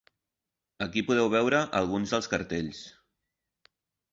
Aquí podeu veure alguns dels cartells.